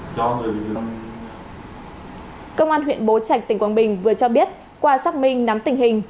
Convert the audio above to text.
công an huyện bố trạch tỉnh quảng bình vừa cho biết qua xác minh nắm tình hình